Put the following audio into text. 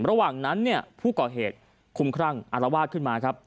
ระหว่างนั้นผู้ก่อเหตุคุ้มครั่งอรวาสขึ้นมา